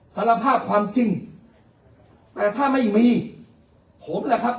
สารภาพความจริงแต่ถ้าไม่มีผมแหละครับ